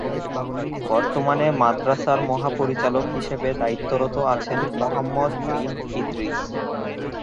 বর্তমানে মাদ্রাসার মহাপরিচালক হিসেবে দায়িত্বরত আছেন মুহাম্মদ বিন ইদ্রিস।